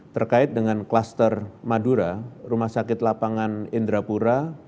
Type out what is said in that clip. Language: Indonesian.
terkait dengan kluster madura rumah sakit lapangan indrapura